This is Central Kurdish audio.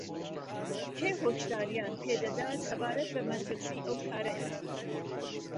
کێ هۆشدارییان پێدەدات سەبارەت بە مەترسیی ئەو کارەیان